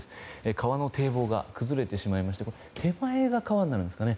川の堤防が崩れてしまいまして手前が川になるんですかね。